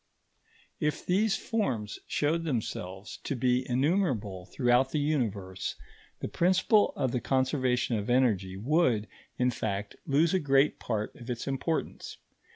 If these forms showed themselves to be innumerable throughout the Universe, the principle of the conservation of energy would, in fact, lose a great part of its importance.